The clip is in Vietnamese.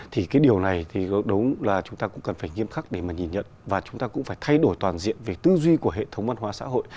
thì cái điều này thì đúng là chúng ta cũng cần phải nghiêm khắc để mà nhìn nhận và chúng ta cũng phải thay đổi toàn diện về tư duy của hệ thống văn hóa xã hội